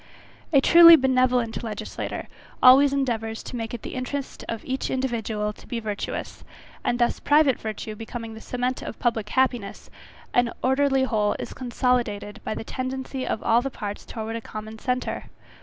A truly benevolent legislator always endeavours to make it the interest of each individual to be virtuous; and thus private virtue becoming the cement of public happiness, an orderly whole is consolidated by the tendency of all the parts towards a common centre.